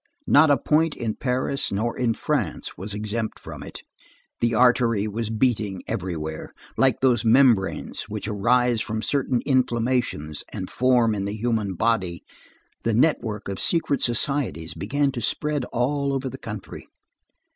Not a point in Paris nor in France was exempt from it. The artery was beating everywhere. Like those membranes which arise from certain inflammations and form in the human body, the network of secret societies began to spread all over the country.